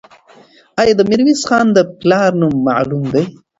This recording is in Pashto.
آیا د میرویس خان د پلار نوم معلوم دی؟